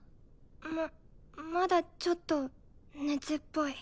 ままだちょっと熱っぽい。